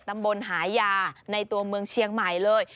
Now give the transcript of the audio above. ตำบลหายาในตัวเมืองเชียงใหม่เลย